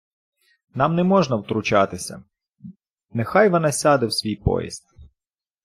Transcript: Нам не можна втручатися. Нехай вона сяде в свій поїзд.